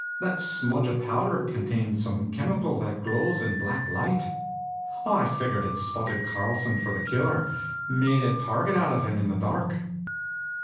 That smudge of powder contained some chemical that glows in black light. I figured it spotted Carlson for the killer, made a target out of him in the dark."